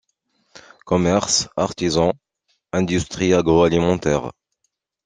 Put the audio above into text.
Commerces, artisans, industries agro-alimentaires.